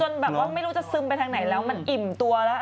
หรือว่ามันซึมจนแบบว่าไม่รู้จะซึมไปทางไหนแล้วมันอิ่มตัวแล้ว